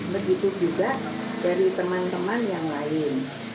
begitu juga dari teman teman yang lain